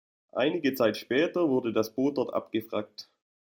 Einige Zeit später wurde das Boot dort abgewrackt.